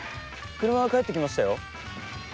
車が帰ってきましたよ。